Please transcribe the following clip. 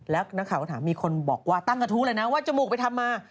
แล้วนักข่าวก็ถามมีคนบอกว่าตั้งกระทู้เลยนะว่าจมูกไปทำมา